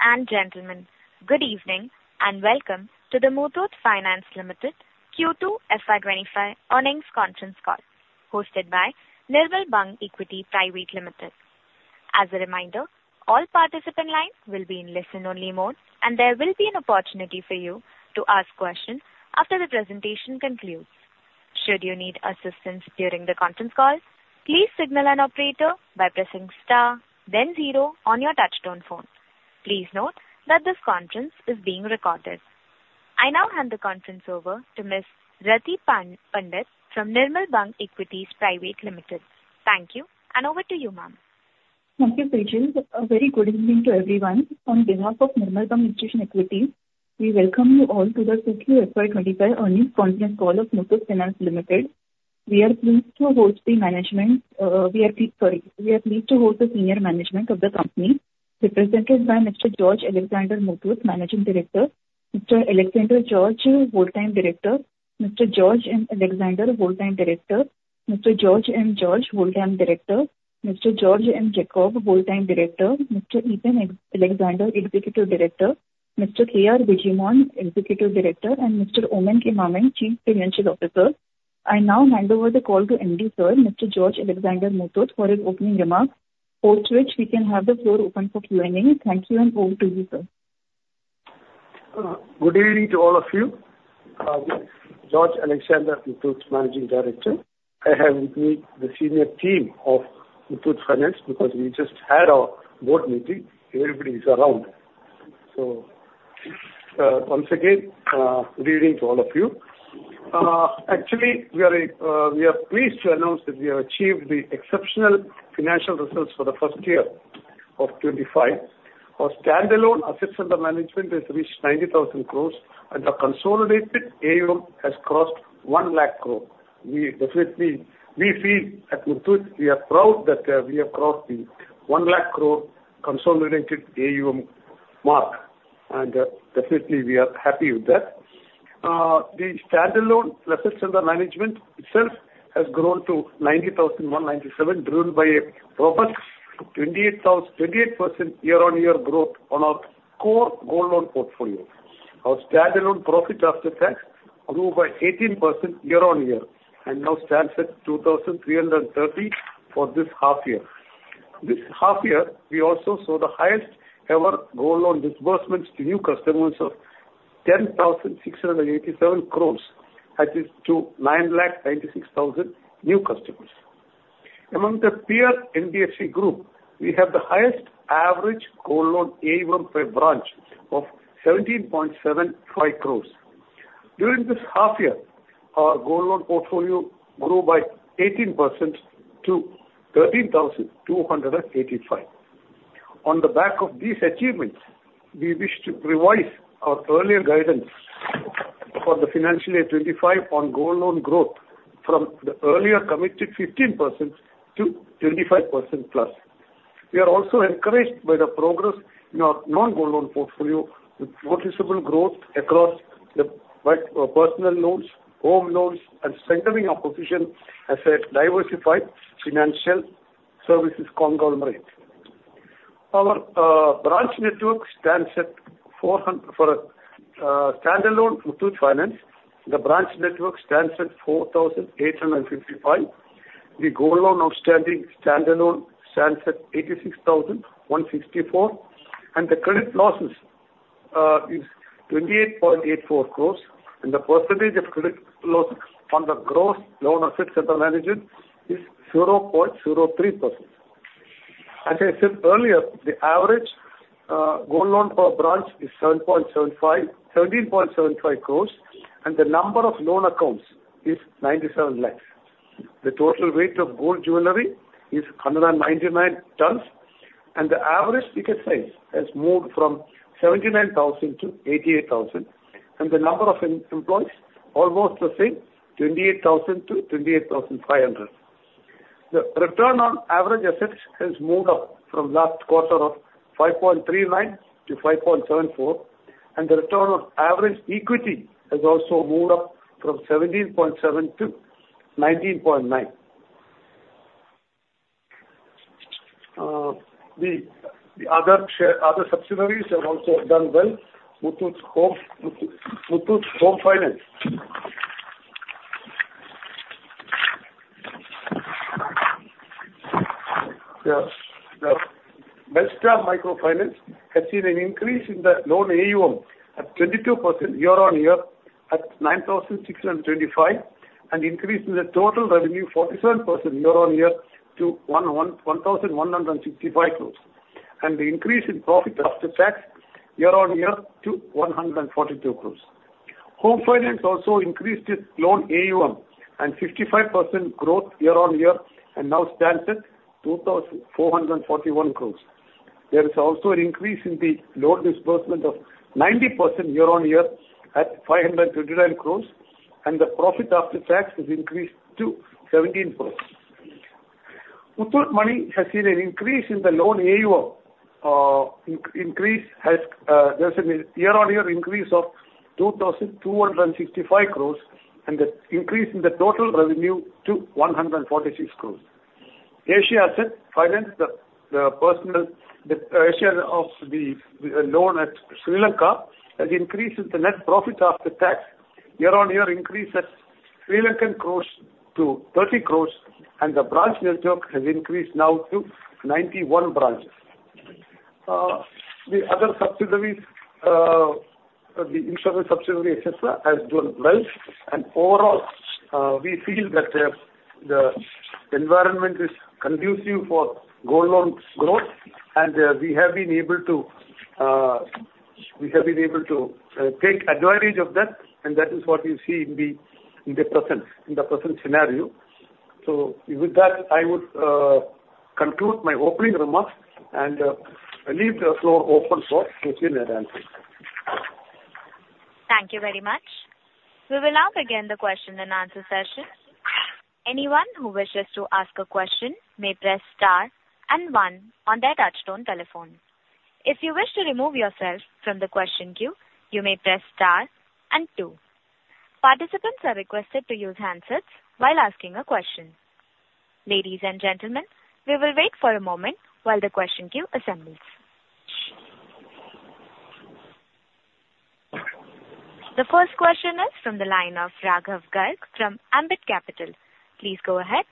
Ladies and gentlemen, good evening and welcome to the Muthoot Finance Limited Q2 FY 2025 earnings conference call, hosted by Nirmal Bang Equities Private Limited. As a reminder, all participants' lines will be in listen-only mode, and there will be an opportunity for you to ask questions after the presentation concludes. Should you need assistance during the conference call, please signal an operator by pressing star, then zero on your touch-tone phone. Please note that this conference is being recorded. I now hand the conference over to Ms. Rati Pandit from Nirmal Bang Equities Private Limited. Thank you, and over to you, ma'am. Thank you, Rati. A very good evening to everyone. On behalf of Nirmal Bang Equities, we welcome you all to the Q2 FY25 earnings conference call of Muthoot Finance Limited. We are pleased to host the management, sorry, we are pleased to host the senior management of the company, represented by Mr. George Alexander Muthoot, Managing Director, Mr. Alexander George, Whole-Time Director, Mr. George M. Alexander, Whole-Time Director, Mr. George M. George, Whole-Time Director, Mr. George M. Jacob, Whole-Time Director, Mr. Eapen Alexander, Executive Director, Mr. K. R. Bijimon, Executive Director, and Mr. Oommen K. Mammen, Chief Financial Officer. I now hand over the call to MD, Sir, Mr. George Alexander Muthoot, for his opening remarks, post which we can have the floor open for Q&A. Thank you, and over to you, sir. Good evening to all of you. I'm George Alexander Muthoot, Managing Director. I have with me the senior team of Muthoot Finance because we just had a board meeting. Everybody is around, so once again, good evening to all of you. Actually, we are pleased to announce that we have achieved the exceptional financial results for the first year of 2025. Our standalone assets under management have reached 90,000 crores, and our consolidated AUM has crossed 1 lakh crores. We feel at Muthoot, we are proud that we have crossed the 1 lakh crore consolidated AUM mark, and definitely, we are happy with that. The standalone assets under management itself has grown to 90,197, driven by a robust 28% year-on-year growth on our core gold loan portfolio. Our standalone profit after tax grew by 18% year-on-year and now stands at 2,330 for this half-year. This half-year, we also saw the highest-ever gold loan disbursements to new customers of 10,687 crores, adding to 996,000 new customers. Among the peer NBFC group, we have the highest average gold loan AUM per branch of 17.75 crores. During this half-year, our gold loan portfolio grew by 18% to 13,285. On the back of these achievements, we wish to revise our earlier guidance for the financial year 2025 on gold loan growth from the earlier committed 15% to 25% +. We are also encouraged by the progress in our non-gold loan portfolio, with noticeable growth across the personal loans, home loans, and strengthening our position as a diversified financial services conglomerate. Our branch network stands at 400 for standalone Muthoot Finance. The branch network stands at 4,855. The gold loan outstanding standalone stands at 86,164, and the credit losses are 28.84 crores, and the percentage of credit loss on the gross loan assets under management is 0.03%. As I said earlier, the average gold loan per branch is 17.75 crores, and the number of loan accounts is 97 lakhs. The total weight of gold jewelry is 199 tons, and the average ticket size has moved from 79,000 to 88,000, and the number of employees is almost the same, 28,000 to 28,500. The return on average assets has moved up from last quarter of 5.39 to 5.74, and the return on average equity has also moved up from 17.7 to 19.9. The other subsidiaries have also done well. Muthoot Homefin. The Belstar Microfinance has seen an increase in the loan AUM at 22% year-on-year at INR 9,625 crores and increased the total revenue 47% year-on-year to 1,165 crores, and the increase in profit after tax year-on-year to 142 crores. Muthoot Homefin also increased its loan AUM and 55% growth year-on-year and now stands at 2,441 crores. There is also an increase in the loan disbursement of 90% year-on-year at 539 crores, and the profit after tax has increased to 17 crores. Muthoot Money has seen an increase in the loan AUM. There's a year-on-year increase of 2,265 crores and an increase in the total revenue to 146 crores. Asia Asset Finance, the presence of the loan at Sri Lanka, has increased the net profit after tax year-on-year at LKR 30 crores, and the branch network has increased now to 91 branches. The other subsidiaries, the insurance subsidiary etc., have done well, and overall, we feel that the environment is conducive for gold loan growth, and we have been able to take advantage of that, and that is what you see in the present scenario. So with that, I would conclude my opening remarks and leave the floor open for questions and answers Thank you very much. We will now begin the question and answer session. Anyone who wishes to ask a question may press star and one on their touch-tone telephone. If you wish to remove yourself from the question queue, you may press star and two. Participants are requested to use handsets while asking a question. Ladies and gentlemen, we will wait for a moment while the question queue assembles. The first question is from the line of Raghav Garg from Ambit Capital. Please go ahead.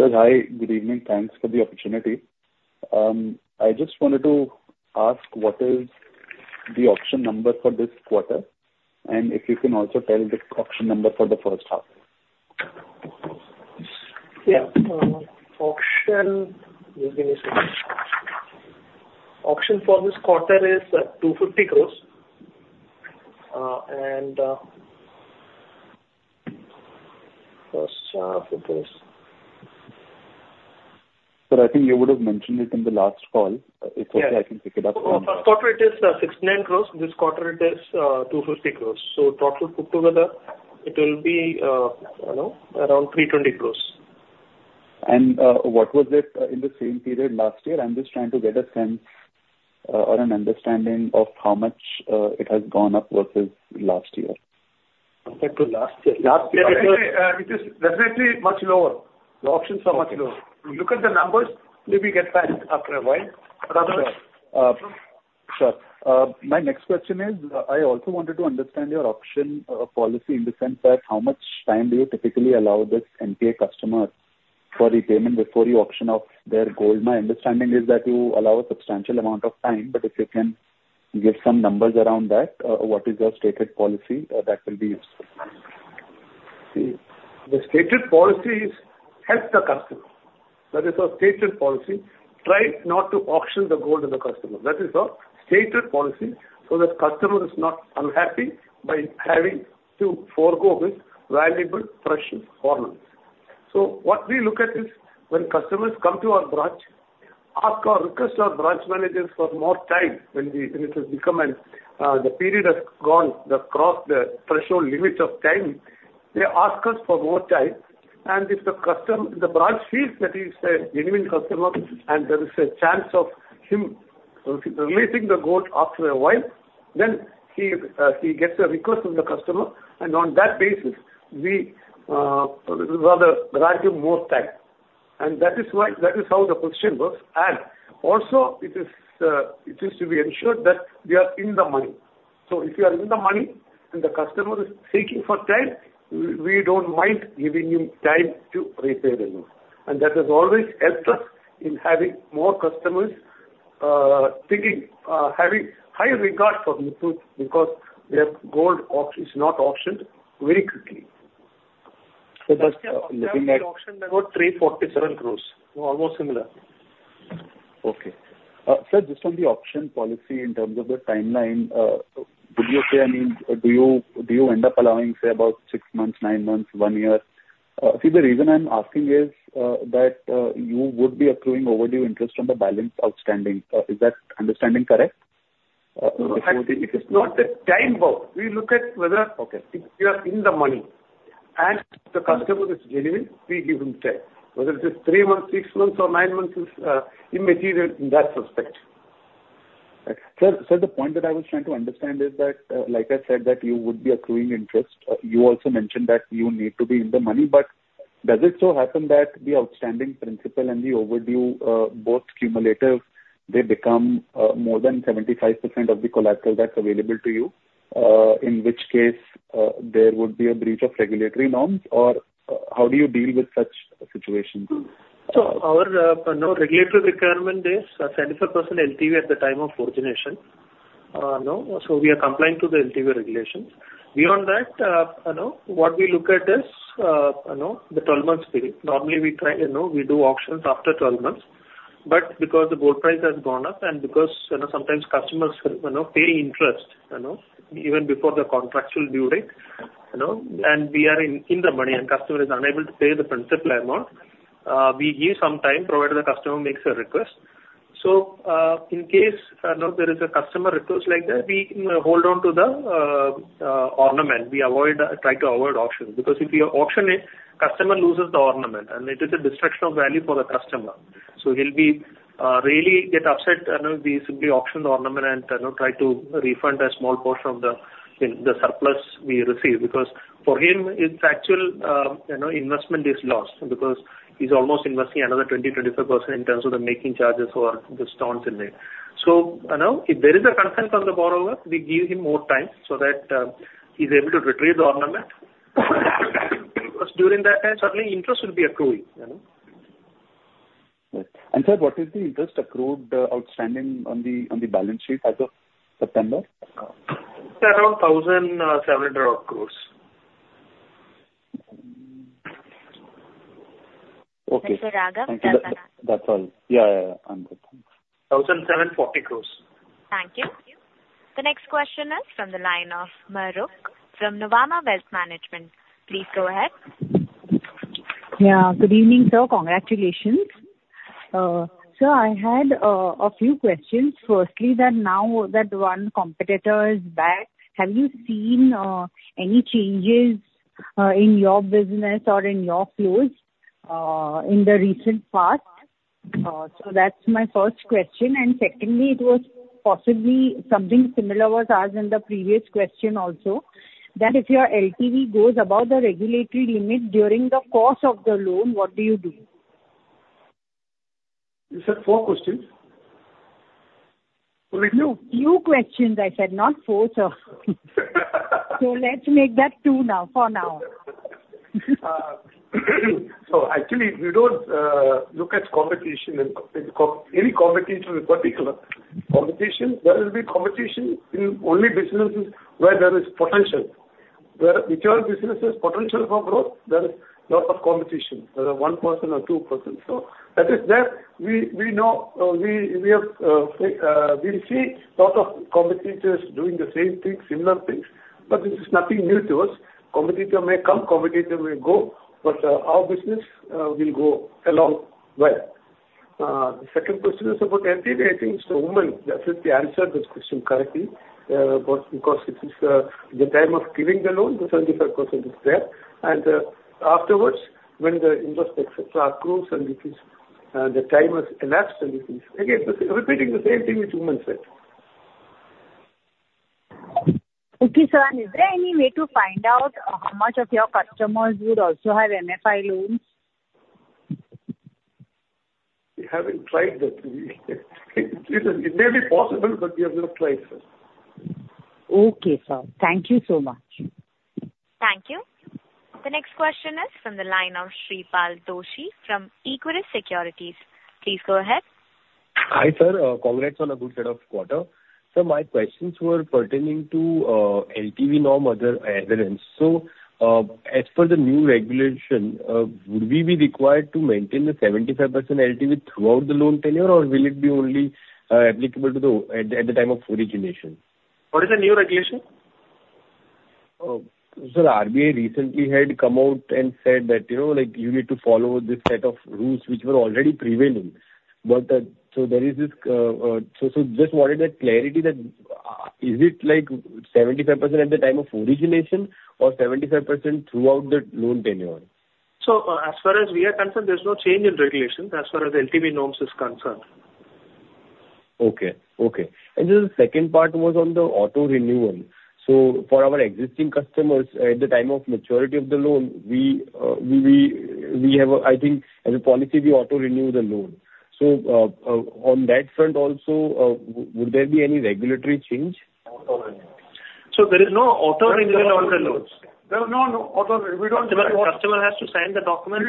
Sir, hi. Good evening. Thanks for the opportunity. I just wanted to ask what is the auction number for this quarter and if you can also tell the auction number for the first half. Yeah. Auction for this quarter is 250 crores, and first half it is. Sir, I think you would have mentioned it in the last call. If okay, I can pick it up from. No. First quarter, it is 69 crores. This quarter, it is 250 crores. So total put together, it will be around 320 crores. What was it in the same period last year? I'm just trying to get a sense or an understanding of how much it has gone up versus last year. Compared to last year. Last year, it is definitely much lower. The options are much lower. If you look at the numbers, maybe get back after a while. Sure. My next question is, I also wanted to understand your auction policy in the sense that how much time do you typically allow this NPA customer for repayment before you auction off their gold? My understanding is that you allow a substantial amount of time, but if you can give some numbers around that, what is your stated policy? That will be useful. The stated policy is help the customer. That is our stated policy. Try not to auction the gold to the customer. That is our stated policy so that customer is not unhappy by having to forgo his valuable precious ornaments. So what we look at is when customers come to our branch, ask or request our branch managers for more time when the period has gone across the threshold limit of time, they ask us for more time. And if the branch feels that he's a genuine customer and there is a chance of him releasing the gold after a while, then he gets a request from the customer, and on that basis, we rather grant him more time. And that is how the position works. And also, it is to be ensured that we are in the money. So if you are in the money and the customer is seeking for time, we don't mind giving him time to repay the loan. And that has always helped us in having more customers having high regard for Muthoot because their gold is not auctioned very quickly. So that's looking at about 347 crores. Almost similar. Okay. Sir, just on the auction policy in terms of the timeline, would you say, I mean, do you end up allowing, say, about six months, nine months, one year? See, the reason I'm asking is that you would be accruing overdue interest on the balance outstanding. Is that understanding correct? It's not the time bound. We look at whether if you are in the money and the customer is genuine, we give him time. Whether it is three months, six months, or nine months is immaterial in that respect. Sir, the point that I was trying to understand is that, like I said, that you would be accruing interest. You also mentioned that you need to be in the money, but does it so happen that the outstanding principal and the overdue both cumulative, they become more than 75% of the collateral that's available to you, in which case there would be a breach of regulatory norms, or how do you deal with such situations? Our regulatory requirement is 75% LTV at the time of origination. We are complying to the LTV regulations. Beyond that, what we look at is the 12-month period. Normally, we do auctions after 12 months, but because the gold price has gone up and because sometimes customers pay interest even before the contractual due date, and we are in the money and customer is unable to pay the principal amount, we give some time provided the customer makes a request. In case there is a customer request like that, we hold on to the ornament. We try to avoid auction because if we auction it, customer loses the ornament, and it is a destruction of value for the customer. He'll really get upset and we simply auction the ornament and try to refund a small portion of the surplus we receive because for him, his actual investment is lost because he's almost investing another 20%-25% in terms of the making charges or the stones in there. If there is a consent on the borrower, we give him more time so that he's able to retrieve the ornament. Because during that time, suddenly interest would be accruing. Sir, what is the interest accrued outstanding on the balance sheet as of September? Around INR 1,700 crores. Okay. Mr. Raghav, that's all. Yeah, yeah, yeah. I'm good. 1,740 crores. Thank you. The next question is from the line of Mahrukh from Nuvama Wealth Management, please go ahead. Yeah. Good evening, sir. Congratulations. Sir, I had a few questions. Firstly, that now that one competitor is back, have you seen any changes in your business or in your flows in the recent past? So that's my first question. And secondly, it was possibly something similar was asked in the previous question also, that if your LTV goes above the regulatory limit during the course of the loan, what do you do? You said four questions? Or a few? Few questions, I said. Not four, sir. So let's make that two now for now. So actually, if you don't look at any competition in particular, there will be competition in only businesses where there is potential. Where whichever business has potential for growth, there is a lot of competition, whether one person or two persons. So that is there. We have been seeing a lot of competitors doing the same thing, similar things, but this is nothing new to us. Competitor may come, competitor may go, but our business will go along well. The second question is about LTV. I think it's the Oommen that has answered this question correctly because it is the time of giving the loan, the 75% is there. And afterwards, when the interest etc. accrues and the time has elapsed and it is again repeating the same thing which Oommen said. Okay, sir. And is there any way to find out how much of your customers would also have MFI loans? We haven't tried that. It may be possible, but we have not tried, sir. Okay, sir. Thank you so much. Thank you. The next question is from the line of Shreepal Doshi from Equirus Securities. Please go ahead. Hi, sir. Congrats on a good set of quarters. Sir, my questions were pertaining to LTV norms, other evidence. So as per the new regulation, would we be required to maintain the 75% LTV throughout the loan tenure, or will it be only applicable at the time of origination? What is the new regulation? Sir, RBI recently had come out and said that you need to follow this set of rules which were already prevailing. So there is this so just wanted that clarity that is it 75% at the time of origination or 75% throughout the loan tenure? So as far as we are concerned, there's no change in regulation as far as LTV norms is concerned. Okay. And then the second part was on the auto renewal. So for our existing customers, at the time of maturity of the loan, we have, I think, as a policy, we auto renew the loan. So on that front also, would there be any regulatory change? So there is no auto renewal on the loans. No, no. We don't do that. The customer has to sign the document.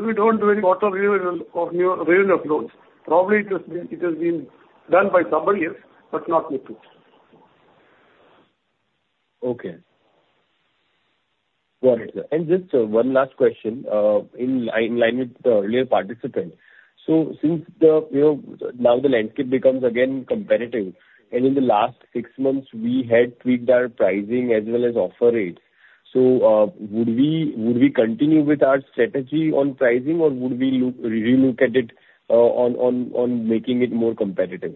We don't do any auto renewal of loans. Probably it has been done by somebody else, but not Muthoot. Okay. Got it. And just one last question in line with the earlier participant. So since now the landscape becomes again competitive, and in the last six months, we had tweaked our pricing as well as offer rates. So would we continue with our strategy on pricing, or would we relook at it on making it more competitive?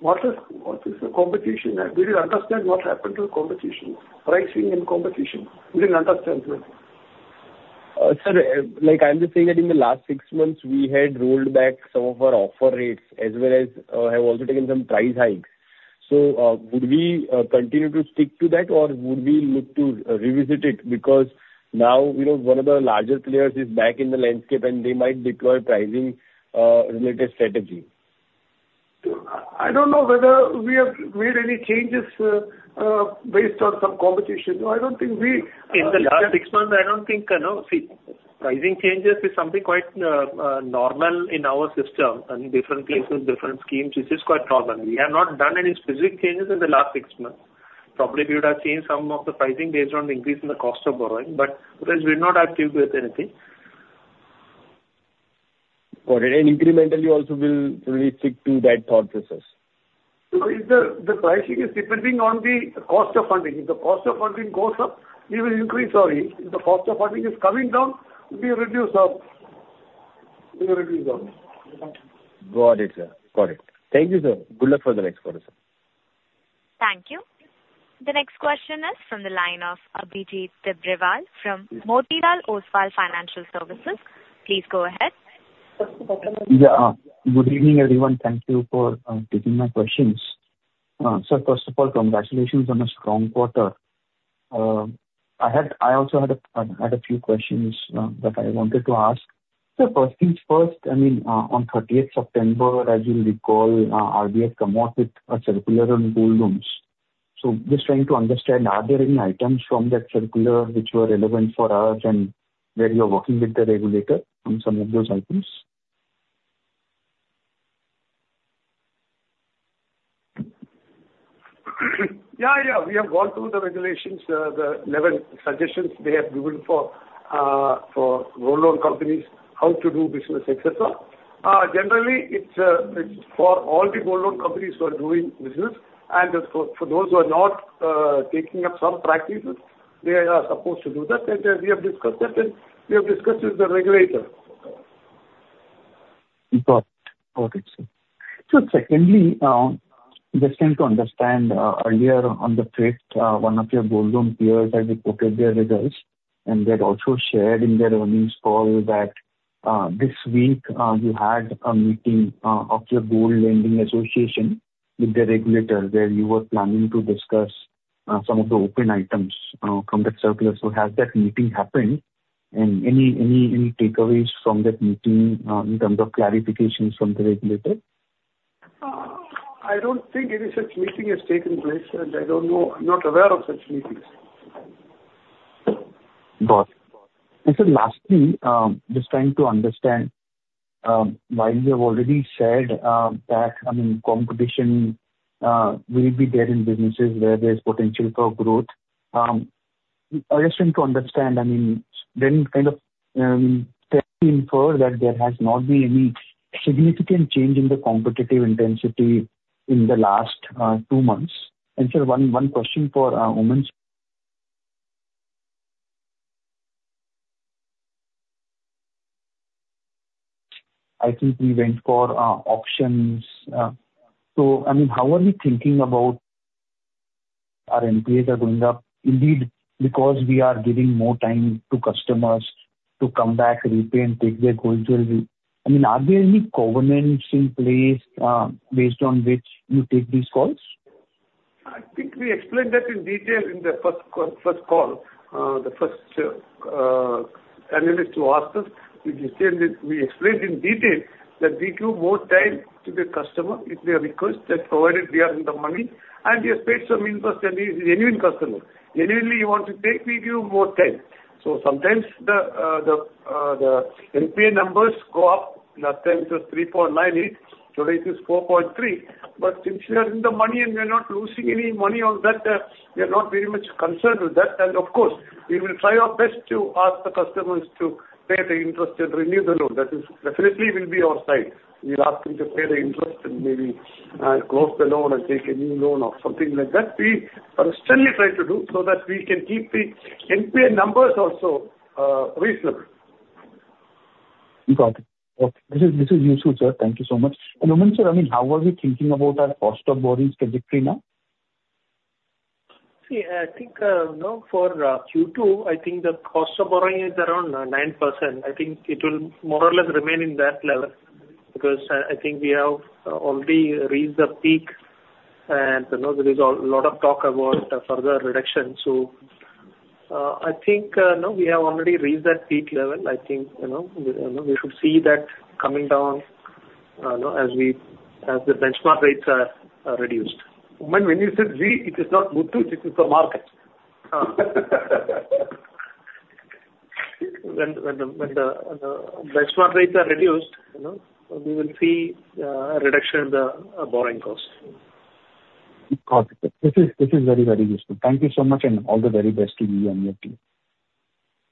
What is the competition? We didn't understand what happened to the competition. Pricing and competition. We didn't understand that. Sir, I'm just saying that in the last six months, we had rolled back some of our offer rates as well as have also taken some price hikes. So would we continue to stick to that, or would we look to revisit it? Because now one of the larger players is back in the landscape, and they might deploy pricing-related strategy. I don't know whether we have made any changes based on some competition. I don't think we. In the last six months, I don't think pricing changes is something quite normal in our system and different places, different schemes. It is quite normal. We have not done any specific changes in the last six months. Probably we would have changed some of the pricing based on the increase in the cost of borrowing, but we're not active with anything. Got it. And incrementally, you also will stick to that thought process? The pricing is depending on the cost of funding. If the cost of funding goes up, we will increase our rate. If the cost of funding is coming down, we reduce our rate. Got it, sir. Got it. Thank you, sir. Good luck for the next quarter, sir. Thank you. The next question is from the line of Abhijit Tibrewal from Motilal Oswal Financial Services. Please go ahead. Yeah. Good evening, everyone. Thank you for taking my questions. Sir, first of all, congratulations on a strong quarter. I also had a few questions that I wanted to ask. Sir, first things first, I mean, on 30th September, as you recall, RBI had come out with a circular on gold loans. So just trying to understand, are there any items from that circular which were relevant for us and where you're working with the regulator on some of those items? Yeah, yeah. We have gone through the regulations, the 11 suggestions they have given for gold loan companies, how to do business, etc. Generally, it's for all the gold loan companies who are doing business, and for those who are not taking up some practices, they are supposed to do that. And we have discussed that, and we have discussed with the regulator. Got it. Okay, sir. So secondly, just trying to understand earlier on the fifth, one of your gold loan peers had reported their results, and they had also shared in their earnings call that this week you had a meeting of your Gold Lending Association with the regulator where you were planning to discuss some of the open items from that circular. So has that meeting happened? And any takeaways from that meeting in terms of clarifications from the regulator? I don't think any such meeting has taken place, and I don't know. I'm not aware of such meetings. Got it. And sir, lastly, just trying to understand, while you have already said that, I mean, competition will be there in businesses where there's potential for growth. I just want to understand, I mean, then kind of tell me infer that there has not been any significant change in the competitive intensity in the last two months. And sir, one question for Oommen Mammen. I think we went for auctions. So, I mean, how are we thinking about our NPAs are going up indeed because we are giving more time to customers to come back, repay, and take their gold? I mean, are there any covenants in place based on which you take these calls? I think we explained that in detail in the first call. The first analyst who asked us, we explained in detail that we give more time to the customer if they request that provided we are in the money, and we have paid some interest, and he is a genuine customer. Genuinely, he wants to take. We give him more time. So sometimes the NPA numbers go up. Last time, it was 3.98. Today, it is 4.3. But since we are in the money and we are not losing any money on that, we are not very much concerned with that. And of course, we will try our best to ask the customers to pay the interest and renew the loan. That is definitely will be our side. We'll ask them to pay the interest and maybe close the loan and take a new loan or something like that. We constantly try to do so that we can keep the NPA numbers also reasonable. Got it. Okay. This is useful, sir. Thank you so much, and Oommen Mammen, sir, I mean, how are we thinking about our cost of borrowing trajectory now? See, I think for Q2, I think the cost of borrowing is around 9%. I think it will more or less remain in that level because I think we have already reached the peak, and there is a lot of talk about further reduction. So I think we have already reached that peak level. I think we should see that coming down as the benchmark rates are reduced. Oommen Mammen, when you said we, it is not Muthoot. It is the market. When the benchmark rates are reduced, we will see a reduction in the borrowing cost. Got it. This is very, very useful. Thank you so much, and all the very best to you and your team.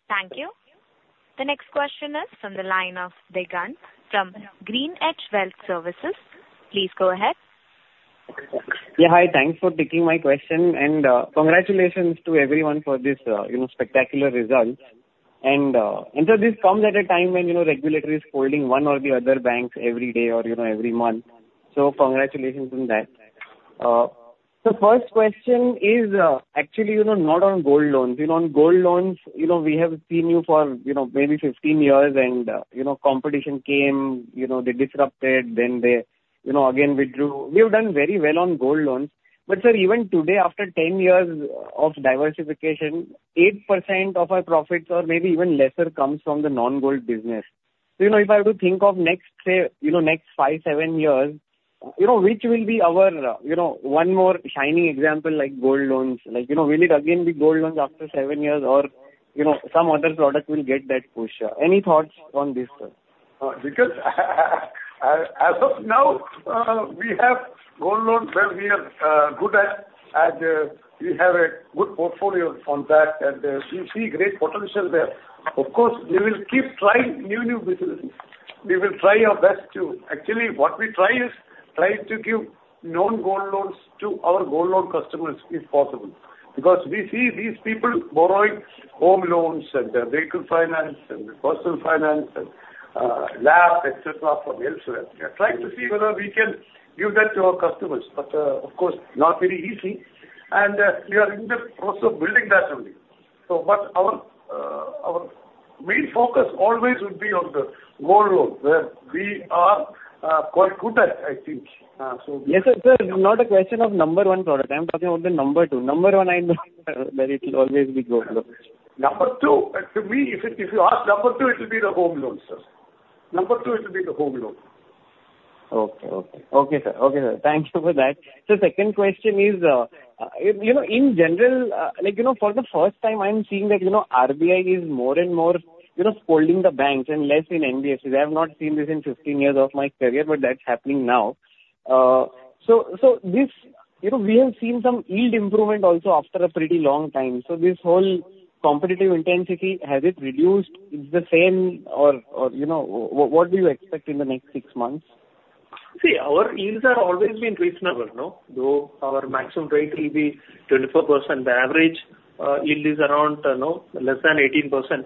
Thank you. The next question is from the line of Digant. From GreenEdge Wealth Services, please go ahead. Yeah, hi. Thanks for taking my question, and congratulations to everyone for this spectacular result, and sir, this comes at a time when regulator is holding one or the other banks every day or every month. So congratulations on that. The first question is actually not on gold loans. On gold loans, we have seen you for maybe 15 years, and competition came, they disrupted, then they again withdrew. We have done very well on gold loans, but sir, even today, after 10 years of diversification, 8% of our profits or maybe even lesser comes from the non-gold business, so if I were to think of next, say, next five, seven years, which will be our one more shining example like gold loans? Will it again be gold loans after seven years, or some other product will get that push? Any thoughts on this, sir? Because as of now, we have gold loans where we are good at, and we have a good portfolio on that, and we see great potential there. Of course, we will keep trying new, new businesses. We will try our best to actually what we try is trying to give non-gold loans to our gold loan customers if possible because we see these people borrowing home loans and vehicle finance and personal finance and LAP, etc., from elsewhere. We are trying to see whether we can give that to our customers. But of course, not very easy, and we are in the process of building that only. But our main focus always would be on the gold loans where we are quite good at, I think. Yes, sir. Not a question of number one product. I'm talking about the number two. Number one, I know that it will always be gold loans. Number two, to me, if you ask number two, it will be the home loans, sir. Number two, it will be the home loans. Okay, sir. Thank you for that. Sir, second question is, in general, for the first time, I'm seeing that RBI is more and more holding the banks and less in NBFCs. I have not seen this in 15 years of my career, but that's happening now. So we have seen some yield improvement also after a pretty long time. So this whole competitive intensity, has it reduced? It's the same, or what do you expect in the next six months? See, our yields have always been reasonable. Though our maximum rate will be 24%, the average yield is around less than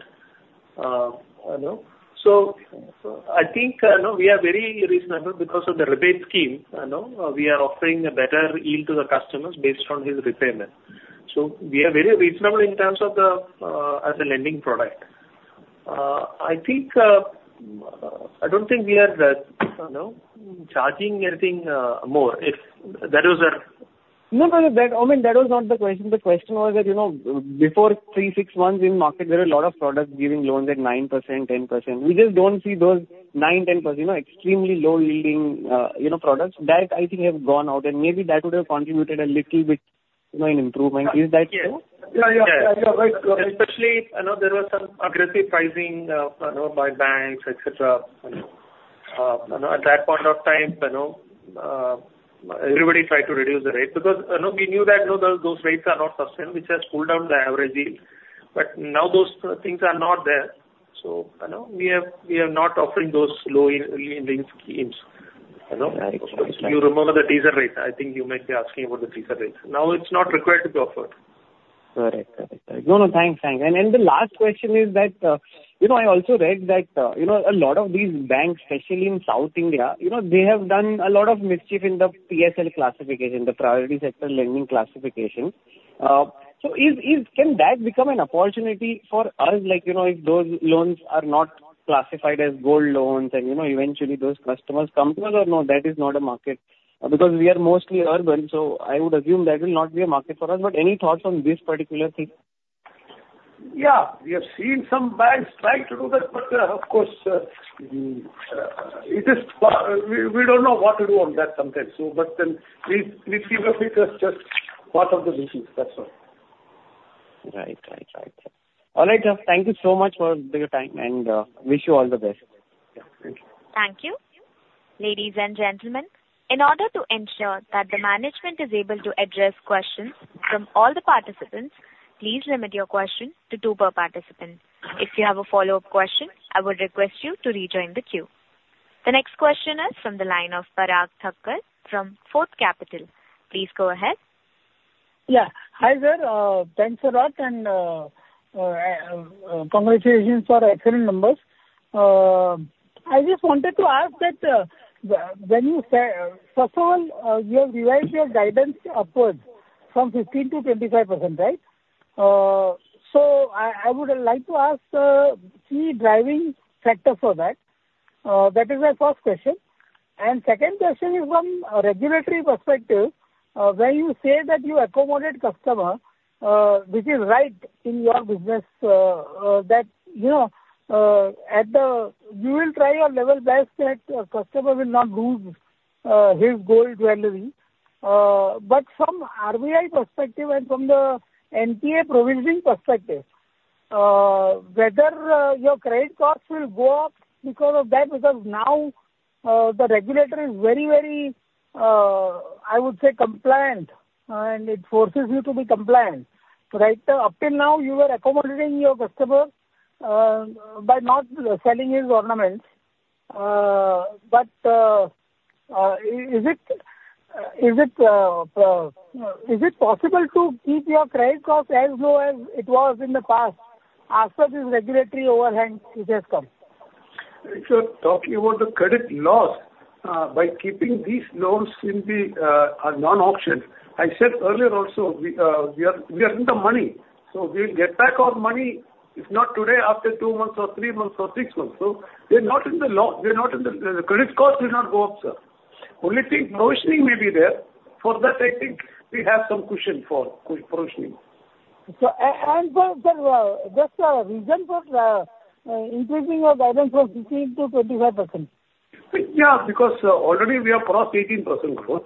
18%. So I think we are very reasonable because of the rebate scheme. We are offering a better yield to the customers based on his repayment. So we are very reasonable in terms of the lending product. I don't think we are charging anything more if that was our. No, no, no. Oommen Mammen, that was not the question. The question was that before three, six months in market, there were a lot of products giving loans at 9%, 10%. We just don't see those 9, 10%, extremely low yielding products that I think have gone out, and maybe that would have contributed a little bit in improvement. Is that so? Yeah. You're right. Especially there was some aggressive pricing by banks, etc. At that point of time, everybody tried to reduce the rate because we knew that those rates are not sustainable, which has pulled down the average yield. But now those things are not there. So we are not offering those low yielding schemes. You remember the teaser rate. I think you might be asking about the teaser rate. Now it's not required to be offered. Correct. Correct. Correct. No, no. Thanks. Thanks. And then the last question is that I also read that a lot of these banks, especially in South India, they have done a lot of mischief in the PSL classification, the Priority Sector Lending classification. So can that become an opportunity for us if those loans are not classified as gold loans and eventually those customers come to us, or no? That is not a market because we are mostly urban. So I would assume that will not be a market for us. But any thoughts on this particular thing? Yeah. We have seen some banks try to do that, but of course, we don't know what to do on that sometimes, but then we seem to be just part of the business. That's all. Right. All right. Thank you so much for your time, and wish you all the best. Thank you. Thank you. Ladies and gentlemen, in order to ensure that the management is able to address questions from all the participants, please limit your question to two per participant. If you have a follow-up question, I would request you to rejoin the queue. The next question is from the line of Parag Thakkar from Anvil Wealth Management. Please go ahead. Yeah. Hi there. Thanks a lot, and congratulations for excellent numbers. I just wanted to ask that when you said, first of all, you have revised your guidance upwards from 15% to 25%, right? So I would like to ask, see driving factor for that. That is my first question. And second question is from a regulatory perspective, when you say that you accommodate customer, which is right in your business, that you will try your level best that customer will not lose his gold jewelry. But from RBI perspective and from the NPA provisioning perspective, whether your credit costs will go up because of that, because now the regulator is very, very, I would say, compliant, and it forces you to be compliant. Right? Up till now, you were accommodating your customer by not selling his ornaments. But is it possible to keep your credit costs as low as it was in the past after this regulatory overhang which has come? Sir, talking about the credit loss by keeping these loans in the non-auction, I said earlier also, we are in the money. So we'll get back our money, if not today, after two months or three months or six months. So we're not in the loss. The credit costs will not go up, sir. Only thing provisioning may be there. For that, I think we have some cushion for provisioning. Sir, just a reason for increasing your guidance from 15% to 25%? Yeah, because already we are past 18% growth,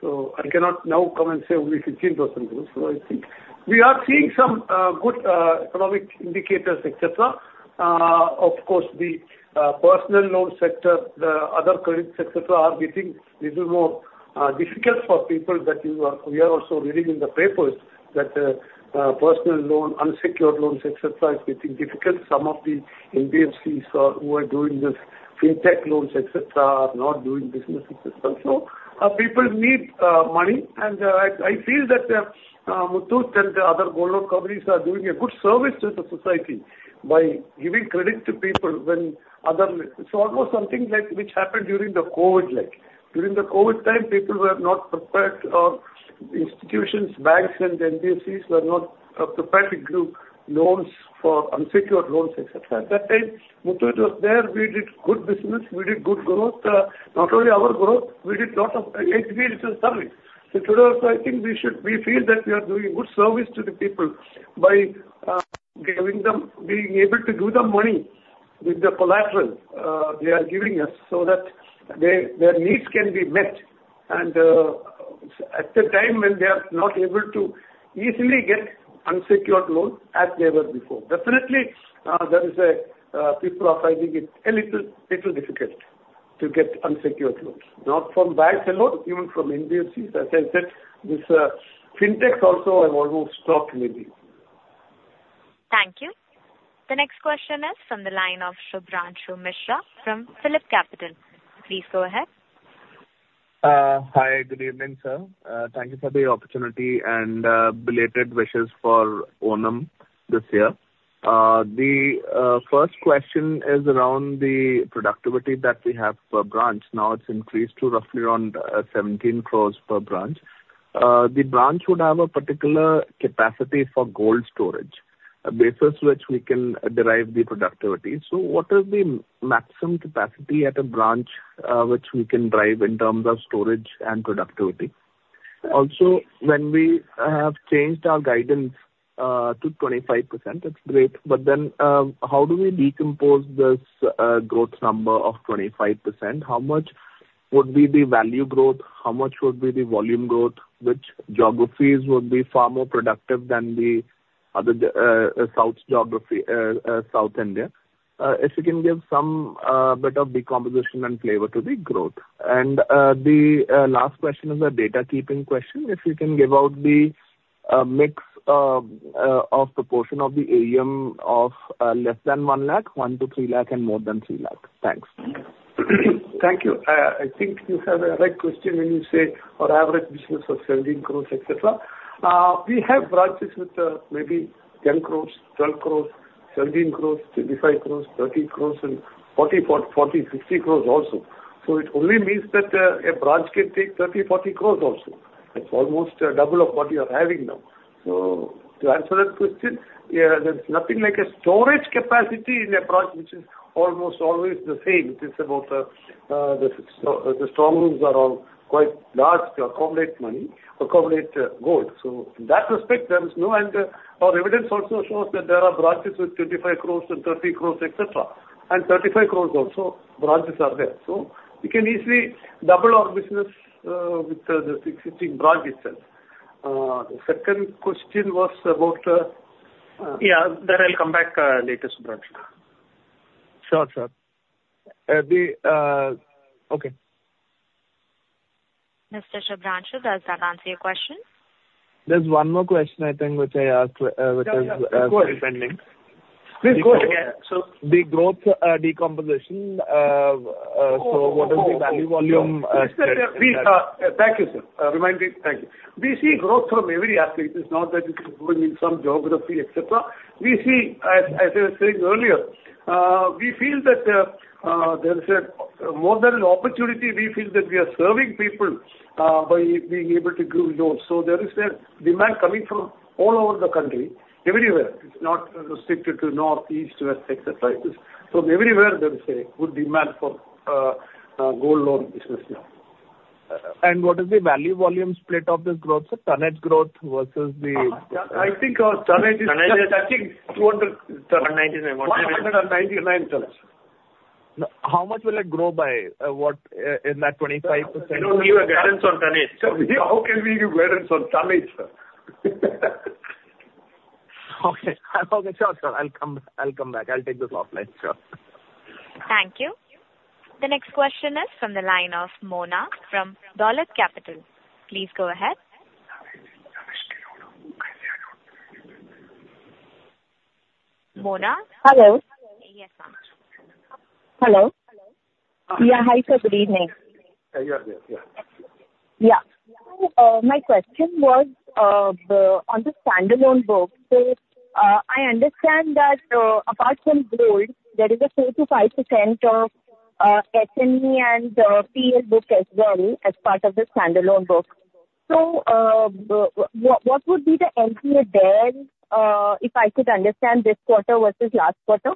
so I cannot now come and say only 15% growth, so I think we are seeing some good economic indicators, etc. Of course, the personal loan sector, the other credits, etc., are getting a little more difficult for people that we are also reading in the papers that personal loan, unsecured loans, etc., is getting difficult. Some of the NBFCs who are doing these fintech loans, etc., are not doing business, etc., so people need money, and I feel that Muthoot and the other gold loan companies are doing a good service to the society by giving credit to people when other it's almost something like which happened during the COVID. During the COVID time, people were not prepared, or institutions, banks, and NBFCs were not prepared to give loans for unsecured loans, etc. At that time, Muthoot was there. We did good business. We did good growth. Not only our growth, we did a lot of hand holding service, so today, I think we feel that we are doing good service to the people by being able to give them money with the collateral they are giving us so that their needs can be met, and at the time when they are not able to easily get unsecured loans as they were before, definitely, there are people finding it a little difficult to get unsecured loans, not from banks alone, even from NBFCs. As I said, these fintechs also have almost stopped, maybe. Thank you. The next question is from the line of Shubhranshu Mishra from PhillipCapital. Please go ahead. Hi. Good evening, sir. Thank you for the opportunity and belated wishes for Oommen Mammen this year. The first question is around the productivity that we have per branch. Now it's increased to roughly around 17 crores per branch. The branch would have a particular capacity for gold storage, a basis which we can derive the productivity. So what is the maximum capacity at a branch which we can derive in terms of storage and productivity? Also, when we have changed our guidance to 25%, that's great. But then how do we decompose this growth number of 25%? How much would be the value growth? How much would be the volume growth? Which geographies would be far more productive than South India, if you can give some bit of decomposition and flavor to the growth? And the last question is a data keeping question. If you can give out the mix of proportion of the AUM of less than one lakh, one to three lakh, and more than three lakh? Thanks. Thank you. I think you have a right question when you say our average business of 17 crores, etc. We have branches with maybe 10 crores, 12 crores, 17 crores, 25 crores, 30 crores, and 40, 50 crores also. So it only means that a branch can take 30, 40 crores also. That's almost double of what you are having now. So to answer that question, there's nothing like a storage capacity in a branch which is almost always the same. It is about the store rooms are quite large to accommodate money, accommodate gold. So in that respect, there is no end. Our evidence also shows that there are branches with 25 crores and 30 crores, etc., and 35 crores also branches are there. So we can easily double our business with the existing branch itself. The second question was about. Yeah. That I'll come back later, Shubhranshu. Sure, sir. Okay. Mr. Shubhranshu, does that answer your question? There's one more question, I think, which I asked which is pending. Please go ahead. So, the growth decomposition, so what is the value volume? Thank you, sir. Remind me. Thank you. We see growth from every aspect. It's not that it's growing in some geography, etc. We see, as I was saying earlier, we feel that there is more than an opportunity. We feel that we are serving people by being able to give loans. So there is demand coming from all over the country, everywhere. It's not restricted to northeast, west, etc. It's from everywhere, there is a good demand for gold loan business now. What is the value volume split of this growth, sir? Tonnage growth versus the? I think our tonnage is, I think, 299. How much will it grow by in that 25%? I don't give a guidance on tonnage. How can we give guidance on tonnage, sir? Okay. Sure, sir. I'll come back. I'll take this offline. Sure. Thank you. The next question is from the line of Mona from Dolat Capital. Please go ahead. Mona. Hello. Yes, ma'am. Hello. Yeah. Hi, sir. Good evening. You're there. Yeah. Yeah. My question was on the standalone book. So I understand that apart from gold, there is a 4%-5% of SME and PL book as well as part of the standalone book. So what would be the NPA there if I could understand this quarter versus last quarter?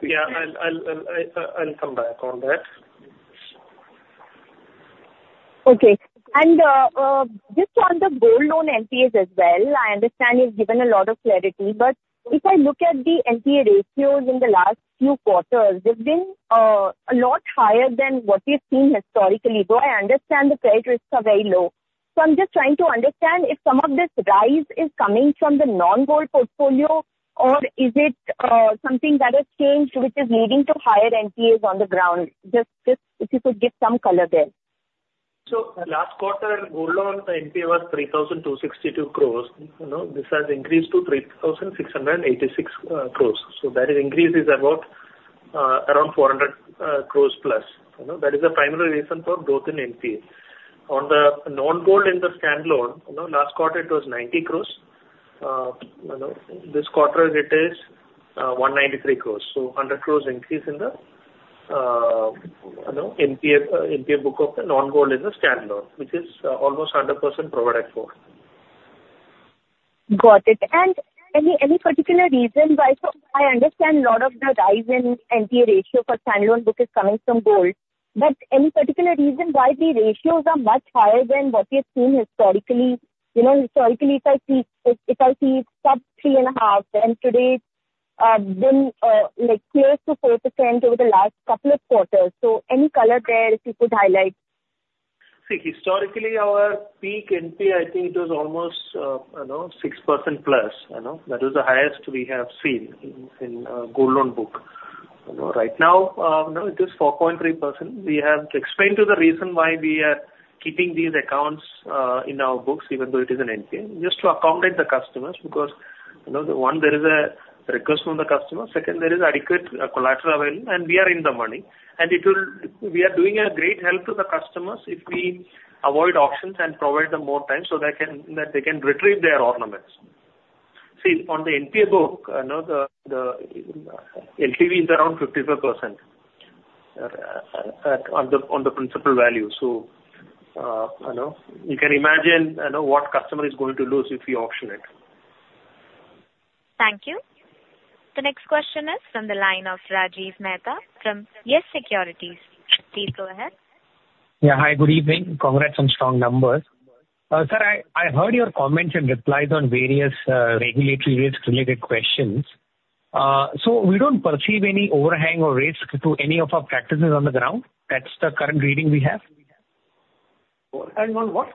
Yeah. I'll come back on that. Okay. And just on the gold loan NPAs as well, I understand you've given a lot of clarity. But if I look at the NPA ratios in the last few quarters, they've been a lot higher than what we've seen historically. Though I understand the credit rates are very low. So I'm just trying to understand if some of this rise is coming from the non-gold portfolio or is it something that has changed which is leading to higher NPAs on the ground? Just if you could give some color there. So last quarter, gold loan NPA was 3,262 crores. This has increased to 3,686 crores. So that increase is about around 400 crores plus. That is the primary reason for growth in NPA. On the non-gold in the standalone, last quarter it was 90 crores. This quarter, it is 193 crores. So 100 crores increase in the NPA book of the non-gold in the standalone, which is almost 100% provided for. Got it, and any particular reason why? So I understand a lot of the rise in NPA ratio for standalone book is coming from gold, but any particular reason why the ratios are much higher than what we have seen historically? Historically, if I see sub 3.5%, and today it's been close to 4% over the last couple of quarters, so any color there if you could highlight? See, historically, our peak NPA, I think it was almost 6% plus. That was the highest we have seen in gold loan book. Right now, it is 4.3%. We have to explain the reason why we are keeping these accounts in our books, even though it is an NPA, just to accommodate the customers because one, there is a request from the customer. Second, there is adequate collateral available, and we are in the money. And we are doing a great help to the customers if we avoid auctions and provide them more time so that they can retrieve their ornaments. See, on the NPA book, the LTV is around 55% on the principal value. So you can imagine what customer is going to lose if we auction it. Thank you. The next question is from the line of Rajiv Mehta from YES Securities. Please go ahead. Yeah. Hi. Good evening. Congrats on strong numbers. Sir, I heard your comments and replies on various regulatory risk-related questions. So we don't perceive any overhang or risk to any of our practices on the ground. That's the current reading we have. Overhang on what?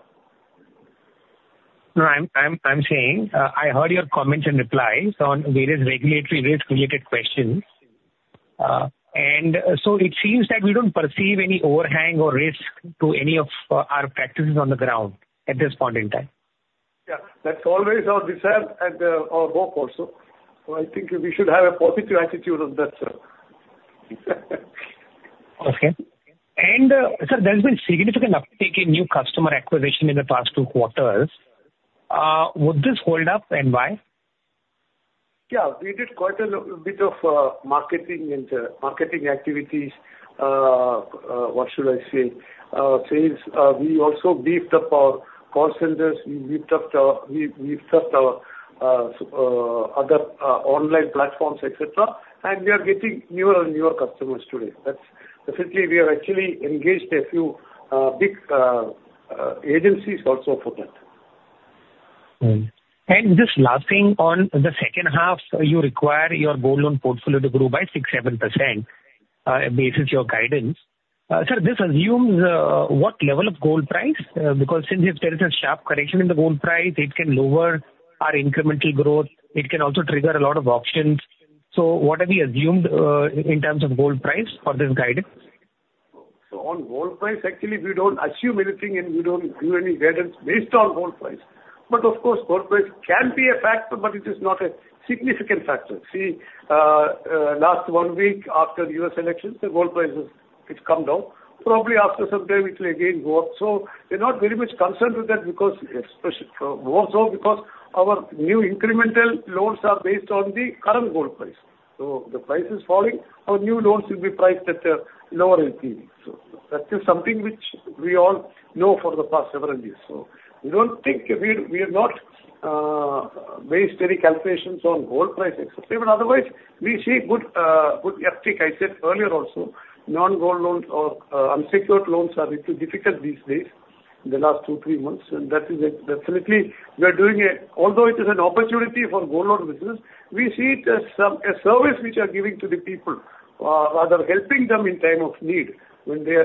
No. I'm saying I heard your comments and replies on various regulatory risk-related questions, and so it seems that we don't perceive any overhang or risk to any of our practices on the ground at this point in time. Yeah. That's always our desire and our hope also. So I think we should have a positive attitude on that, sir. Okay. And sir, there's been significant uptake in new customer acquisition in the past two quarters. Would this hold up and why? Yeah. We did quite a bit of marketing and marketing activities. What should I say? We also beefed up our call centers. We beefed up our other online platforms, etc., and we are getting newer and newer customers today. That's definitely. We are actually engaged a few big agencies also for that. Just last thing on the second half, you require your gold loan portfolio to grow by 6-7% based on your guidance. Sir, this assumes what level of gold price? Because since there is a sharp correction in the gold price, it can lower our incremental growth. It can also trigger a lot of auctions. What have you assumed in terms of gold price for this guidance? So on gold price, actually, we don't assume anything, and we don't do any guidance based on gold price. But of course, gold price can be a factor, but it is not a significant factor. See, last one week after U.S. elections, the gold price has come down. Probably after some time, it will again go up. So we're not very much concerned with that because more so because our new incremental loans are based on the current gold price. So the price is falling. Our new loans will be priced at a lower LTV. So that is something which we all know for the past several years. So we don't think we have not based any calculations on gold price, etc. But otherwise, we see good uptake. I said earlier also, non-gold loans or unsecured loans are a bit difficult these days in the last two, three months. And that is definitely. We are doing it. Although it is an opportunity for gold loan business, we see it as a service which we are giving to the people, rather helping them in time of need when they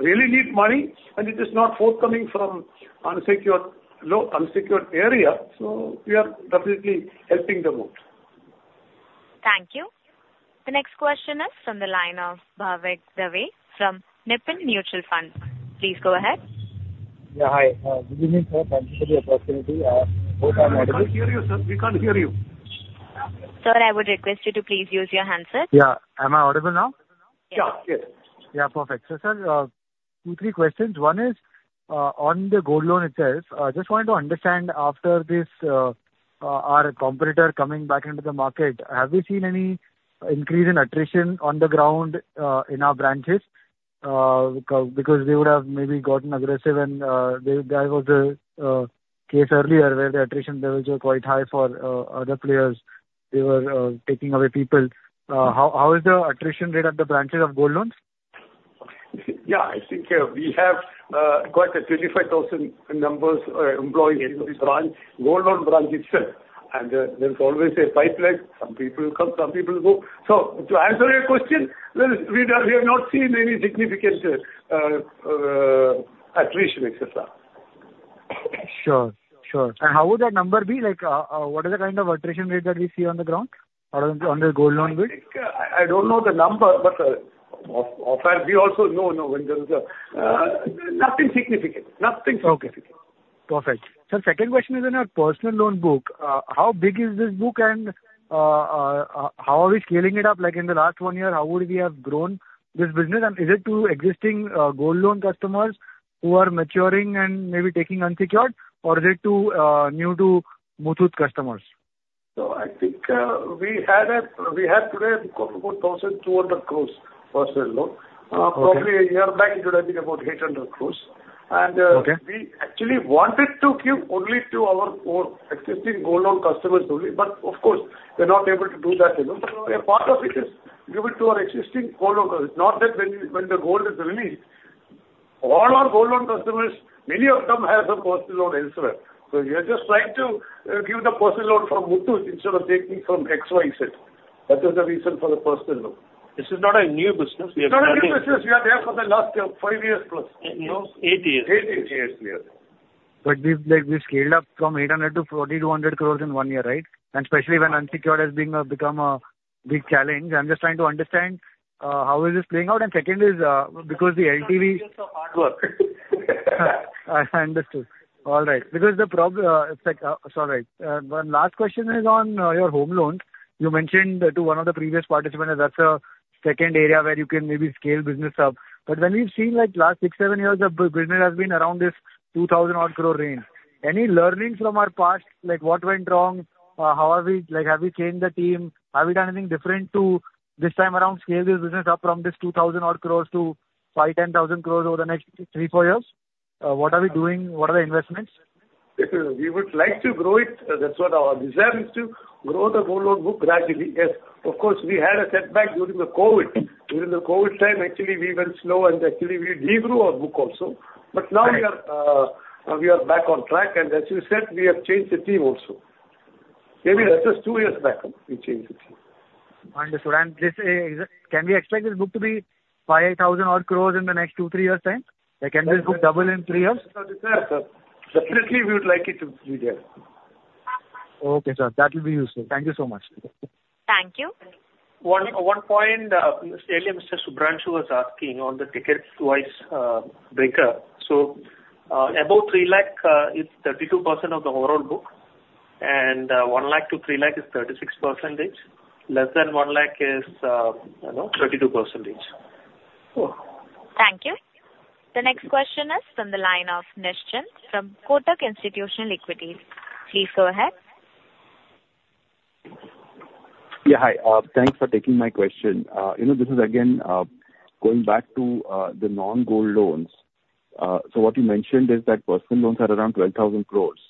really need money. And it is not forthcoming from unsecured area. So we are definitely helping them out. Thank you. The next question is from the line of Bhavik Dave from Nippon India Mutual Fund. Please go ahead. Yeah. Hi. Good evening, sir. Thank you for the opportunity. Hope I'm audible. We can't hear you, sir. We can't hear you. Sir, I would request you to please use your handset. Yeah. Am I audible now? Yeah. Yeah. Perfect. So sir, two, three questions. One is on the gold loan itself. Just wanted to understand after our competitor coming back into the market, have we seen any increase in attrition on the ground in our branches? Because they would have maybe gotten aggressive, and there was a case earlier where the attrition levels were quite high for other players. They were taking away people. How is the attrition rate at the branches of gold loans? Yeah. I think we have quite a 25,000 number of employees in this branch, gold loan branch itself, and there's always a pipeline. Some people come, some people go, so to answer your question, we have not seen any significant attrition, etc. Sure. Sure. And how would that number be? What is the kind of attrition rate that we see on the ground? On the gold loan? I don't know the number, but we also know when there is nothing significant. Nothing significant. Perfect. Sir, second question is in our personal loan book. How big is this book, and how are we scaling it up? In the last one year, how would we have grown this business? And is it to existing gold loan customers who are maturing and maybe taking unsecured, or is it new to Muthoot customers? I think we had today 1,200 crores personal loan. Probably a year back, it would have been about 800 crores. We actually wanted to give only to our existing gold loan customers only. But of course, we're not able to do that. But a part of it is given to our existing gold loan customers. Not that when the gold is released, all our gold loan customers, many of them have a personal loan elsewhere. We are just trying to give the personal loan from Muthoot instead of taking from XYZ. That is the reason for the personal loan. This is not a new business. It's not a new business. We are there for the last five years plus. Eight years. Eight years. But we scaled up from 800 crores to 40,200 crores in one year, right? And especially when unsecured has become a big challenge. I'm just trying to understand how is this playing out. And second is because the LTV. It's hard work. I understood. All right. Because the problem, sorry. One last question is on your home loans. You mentioned to one of the previous participants that that's a second area where you can maybe scale business up. But when we've seen last six, seven years, the business has been around this 2,000-odd crore range. Any learnings from our past? What went wrong? How have we changed the team? Have we done anything different to this time around scale this business up from this 2,000-odd crores to 5,000-10,000 crores over the next three, four years? What are we doing? What are the investments? We would like to grow it. That's what our desire is to grow the gold loan book gradually. Yes. Of course, we had a setback during the COVID. During the COVID time, actually, we went slow, and actually, we regrew our book also. But now we are back on track, and as you said, we have changed the team also. Maybe that was two years back. We changed the team. Understood. And can we expect this book to be 5,000-odd crores in the next two, three years time? Can this book double in three years? Definitely, we would like it to be there. Okay, sir. That will be useful. Thank you so much. Thank you. One point earlier, Mr. Shubhranshu was asking on the ticket size break-up. So about 3 lakh is 32% of the overall book. And 1 lakh to 3 lakh is 36%. Less than 1 lakh is 32%. Thank you. The next question is from the line of Nischint from Kotak Institutional Equities. Please go ahead. Yeah. Hi. Thanks for taking my question. This is again going back to the non-gold loans. So what you mentioned is that personal loans are around 12,000 crores.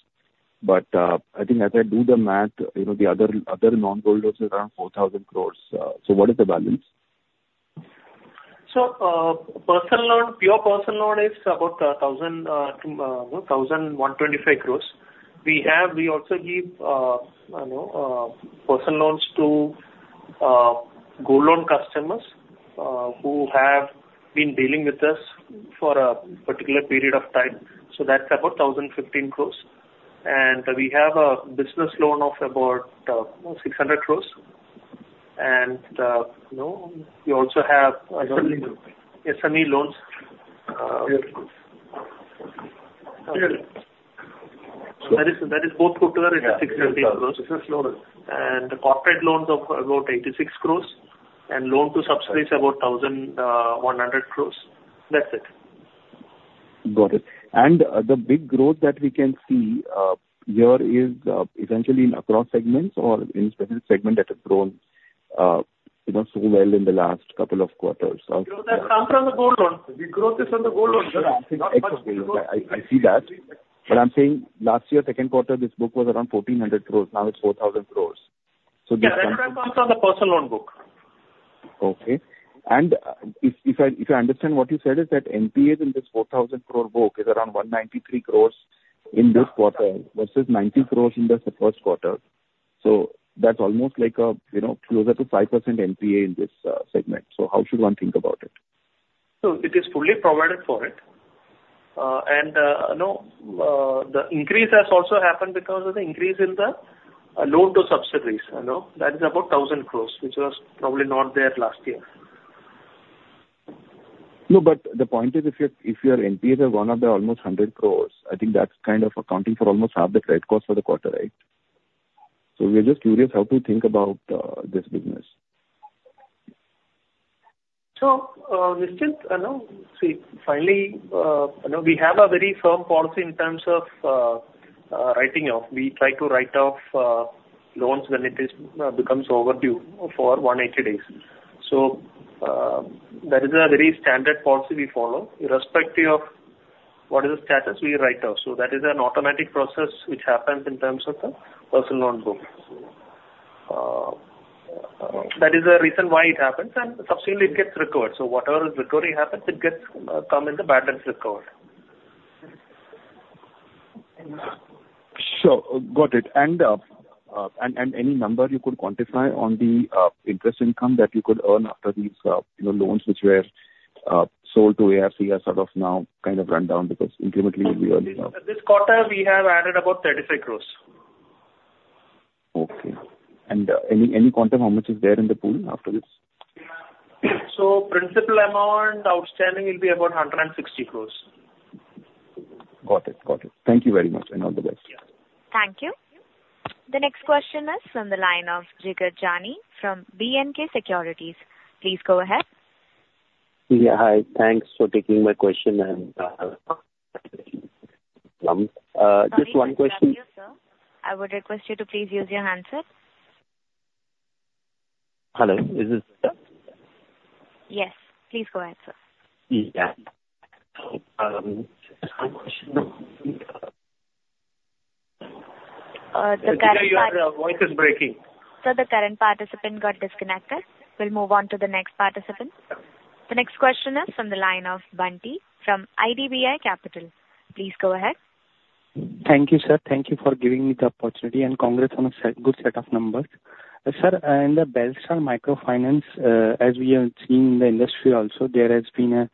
But I think as I do the math, the other non-gold loans are around 4,000 crores. So what is the balance? Personal loan, pure personal loan is about 1,125 crores. We also give personal loans to gold loan customers who have been dealing with us for a particular period of time. That's about 1,015 crores. We have a business loan of about 600 crores. We also have SME loans. That is both put together at 615 crores. The corporate loans of about 86 crores and loans to subsidiaries about 1,100 crores. That's it. Got it, and the big growth that we can see here is essentially in across segments or in specific segments that have grown so well in the last couple of quarters? Growth has come from the Gold Loan. Yeah. I see that. But I'm saying last year, second quarter, this book was around 1,400 crores. Now it's 4,000 crores. So this comes. That comes from the personal loan book. Okay. And if I understand what you said is that NPA in this 4,000 crore book is around 193 crores in this quarter versus 90 crores in the first quarter. So that's almost closer to 5% NPA in this segment. So how should one think about it? So it is fully provided for it. And the increase has also happened because of the increase in the loans to subsidiaries. That is about 1,000 crores, which was probably not there last year. No. But the point is if your NPAs are one of the almost 100 crores, I think that's kind of accounting for almost half the credit cost for the quarter, right? So we're just curious how to think about this business. Nischint, see, finally, we have a very firm policy in terms of writing off. We try to write off loans when it becomes overdue for 180 days. That is a very standard policy we follow. Irrespective of what is the status, we write off. That is an automatic process which happens in terms of the personal loan book. That is the reason why it happens. And subsequently, it gets recovered. Whatever recovery happens, it comes in the balance recovered. Sure. Got it. And any number you could quantify on the interest income that you could earn after these loans which were sold to ARC are sort of now kind of run down because incrementally we earned enough? This quarter, we have added about 35 crores. Okay. And any quantum? How much is there in the pool after this? Principal amount outstanding will be about 160 crores. Got it. Got it. Thank you very much and all the best. Thank you. The next question is from the line of Jigar Jani from B&K Securities. Please go ahead. Yeah. Hi. Thanks for taking my question and. Thank you. Just one question. Thank you, sir. I would request you to please use your handset. Hello. Is this sir? Yes. Please go ahead, sir. Yeah. The current. The voice is breaking. The current participant got disconnected. We'll move on to the next participant. The next question is from the line of Bunty Chawla from IDBI Capital. Please go ahead. Thank you, sir. Thank you for giving me the opportunity and congrats on a good set of numbers. Sir, in the Belstar Microfinance, as we have seen in the industry also, there has been a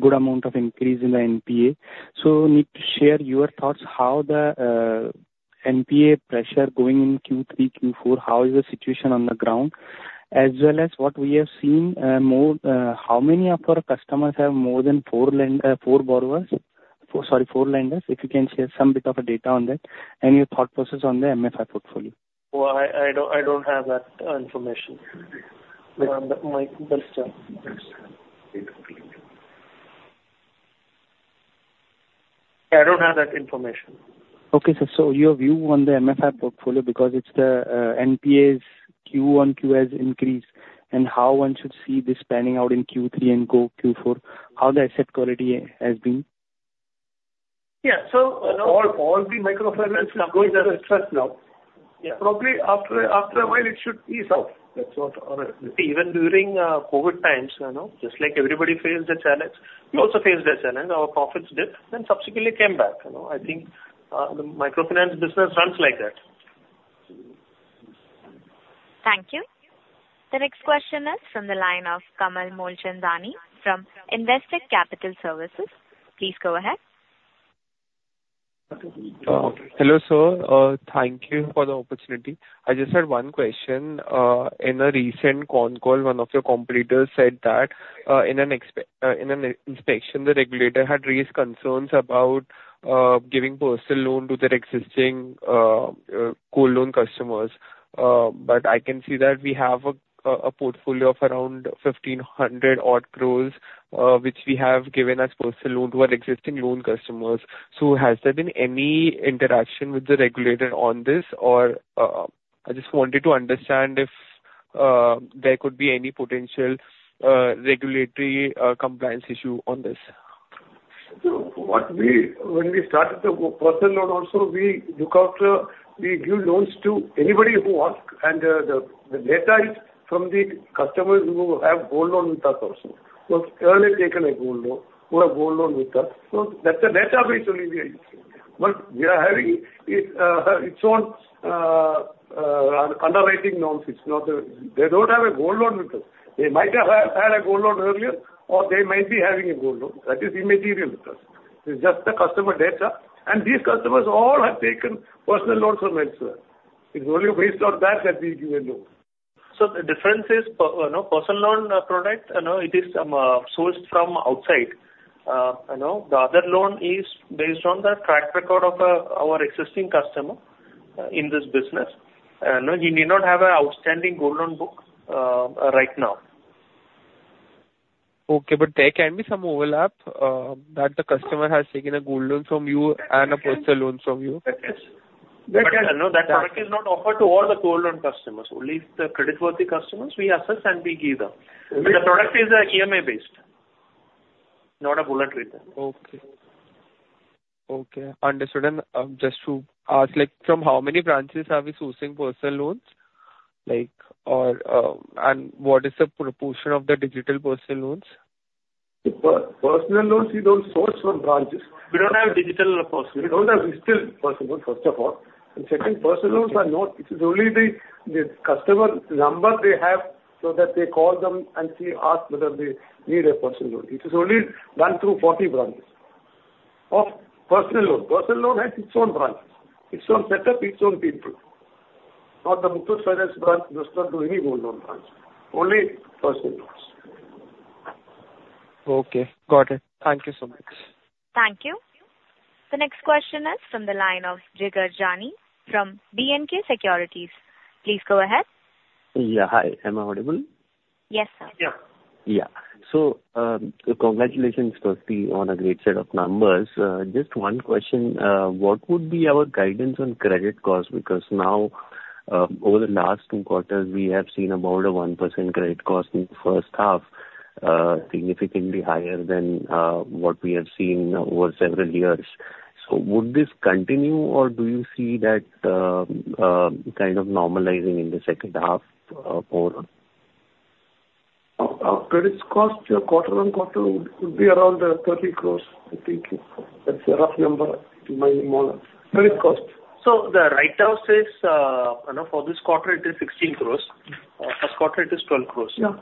good amount of increase in the NPA. So need to share your thoughts how the NPA pressure going in Q3, Q4, how is the situation on the ground, as well as what we have seen more, how many of our customers have more than four borrowers? Sorry, four lenders. If you can share some bit of data on that and your thought process on the MFI portfolio. I don't have that information. Okay, sir. So your view on the MFI portfolio because it's the NPAs Q1, Q2's increase and how one should see this panning out in Q3 and Q4, how the asset quality has been? Yeah. So all the microfinance is going out of stress now. Probably after a while, it should ease out. That's what our. Even during COVID times, just like everybody faced the challenge, we also faced the challenge. Our profits dipped and subsequently came back. I think the microfinance business runs like that. Thank you. The next question is from the line of Komal Modi from Investec Capital Services. Please go ahead. Hello, sir. Thank you for the opportunity. I just had one question. In a recent con call, one of your competitors said that in an inspection, the regulator had raised concerns about giving personal loan to their existing gold loan customers. But I can see that we have a portfolio of around 1,500-odd crores which we have given as personal loan to our existing loan customers. So has there been any interaction with the regulator on this? Or I just wanted to understand if there could be any potential regulatory compliance issue on this. So when we started the personal loan also, we look after we give loans to anybody who wants, and the data is from the customers who have gold loan with us also. Who have taken a gold loan or a gold loan with us, that's the database only we are using. But we are having its own underwriting norms. They don't have a gold loan with us. They might have had a gold loan earlier, or they might be having a gold loan. That is immaterial with us. It's just the customer data. And these customers all have taken personal loans from elsewhere. It's only based on that that we give a loan. The difference is personal loan product, it is sourced from outside. The other loan is based on the track record of our existing customer in this business. He may not have an outstanding gold loan book right now. Okay. But there can be some overlap that the customer has taken a gold loan from you and a personal loan from you. But that product is not offered to all the gold loan customers. Only the creditworthy customers we assess and we give them. And the product is EMI-based, not a bullet repayment there. Okay. Okay. Understood. And just to ask, from how many branches are we sourcing personal loans? And what is the proportion of the digital personal loans? Personal loans, we don't source from branches. We don't have digital personal loans. We don't have digital personal loans, first of all. And second, personal loans are not. It is only the customer number they have so that they call them and ask whether they need a personal loan. It is only done through 40 branches of personal loan. Personal loan has its own branches, its own setup, its own people. The Muthoot Finance branch does not do any personal loans. Only gold loans. Okay. Got it. Thank you so much. Thank you. The next question is from the line of Jigar Jani from B&K Securities. Please go ahead. Yeah. Hi. Am I audible? Yes, sir. Yeah. Yeah. So congratulations, Kirti, on a great set of numbers. Just one question. What would be our guidance on credit costs? Because now, over the last two quarters, we have seen about a 1% credit cost in the first half, significantly higher than what we have seen over several years. So would this continue, or do you see that kind of normalizing in the second half or? Our credit cost quarter on quarter would be around 30 crores. I think that's a rough number. It might be more. Credit cost. So the write-offs is for this quarter. It is 16 crores. First quarter, it is 12 crores. Yeah.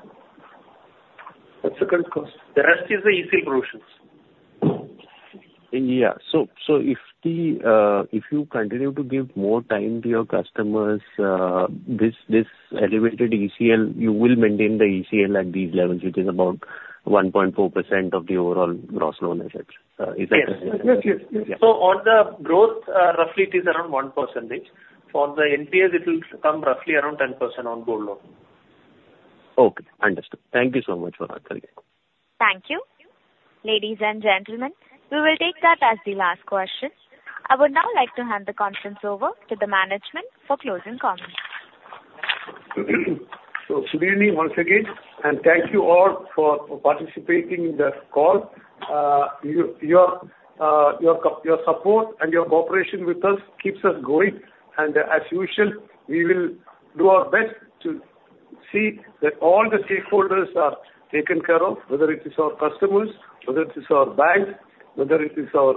That's the credit cost. The rest is the ECL provisions. Yeah. So if you continue to give more time to your customers, this elevated ECL, you will maintain the ECL at these levels, which is about 1.4% of the overall gross loan assets. Is that correct? Yes. Yes. Yes. Yes. So on the growth, roughly, it is around 1%. For the NPAs, it will come roughly around 10% on gold loan. Okay. Understood. Thank you so much for answering it. Thank you. Ladies and gentlemen, we will take that as the last question. I would now like to hand the conference over to the management for closing comments. So, good evening, once again, and thank you all for participating in the call. Your support and your cooperation with us keeps us going. As usual, we will do our best to see that all the stakeholders are taken care of, whether it is our customers, whether it is our banks, whether it is our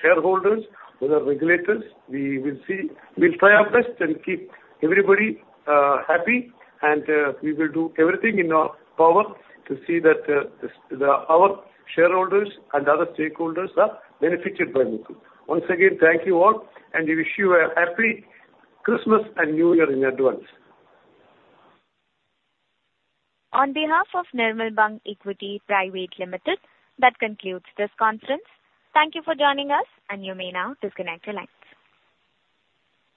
shareholders, whether regulators. We will try our best and keep everybody happy. We will do everything in our power to see that our shareholders and other stakeholders are benefited by Muthoot. Once again, thank you all. We wish you a happy Christmas and New Year in advance. On behalf of Nirmal Bang Equities Private Limited, that concludes this conference. Thank you for joining us, and you may now disconnect your lines.